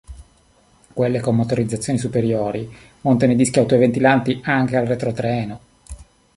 Quelle con motorizzazioni superiori montano i dischi autoventilanti anche al retrotreno.